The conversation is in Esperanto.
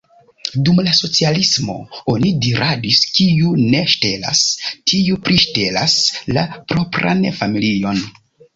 Dum la socialismo oni diradis: kiu ne ŝtelas, tiu priŝtelas la propran familion.